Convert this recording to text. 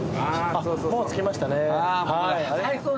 もう着きましたねはい。